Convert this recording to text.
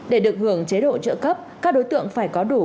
để được hưởng chế độ trợ cấp các đối tượng phải có đủ